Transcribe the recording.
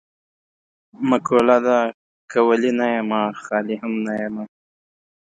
مقوله ده: که ولي نه یم خالي هم نه یم.